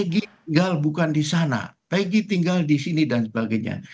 tinggal bukan di sana peggy tinggal di sini dan sebagainya